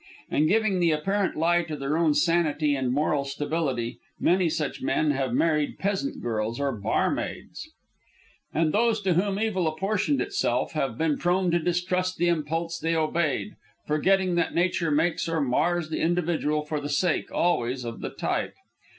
And giving the apparent lie to their own sanity and moral stability, many such men have married peasant girls or barmaids, And those to whom evil apportioned itself have been prone to distrust the impulse they obeyed, forgetting that nature makes or mars the individual for the sake, always, of the type.